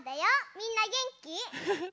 みんなげんき？